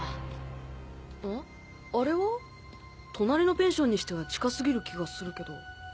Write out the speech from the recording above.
隣のペンションにしては近すぎる気がするけど。